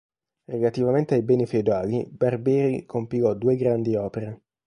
Relativamente ai beni feudali Barberi compilò due grandi opere.